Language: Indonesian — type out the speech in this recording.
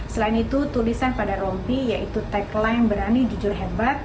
selain itu tulisan pada rompi yaitu tagline berani jujur hebat